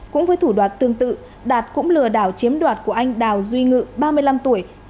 cũng với thủ đoạt tương tự đạt cũng lừa đảo chiếm đoạt của anh đào duy ngự ba mươi năm tuổi chú cùng xã khoảng hai tỷ đồng